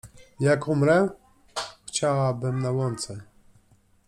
Jak umrę? Chciałabym na łące.